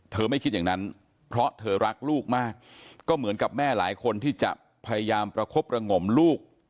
ไม่คิดอย่างนั้นเพราะเธอรักลูกมากก็เหมือนกับแม่หลายคนที่จะพยายามประคบประงมลูก